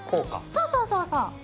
そうそうそうそう！